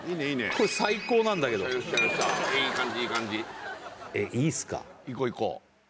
これ最高なんだけどよっしゃよっしゃえっいいすか？いこういこう